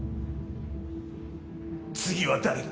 次は誰だ？